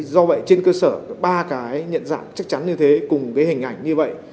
do vậy trên cơ sở có ba cái nhận dạng chắc chắn như thế cùng cái hình ảnh như vậy